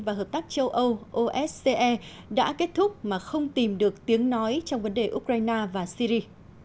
và hợp tác châu âu ose đã kết thúc mà không tìm được tiếng nói trong vấn đề ukraine và syri